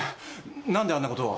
何であんなことを。